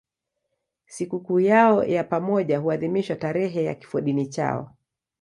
Sikukuu yao ya pamoja huadhimishwa tarehe ya kifodini chao.